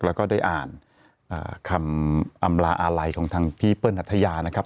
แล้วก็ได้อ่านคำอำลาอาลัยของทางพี่เปิ้ลอัธยานะครับ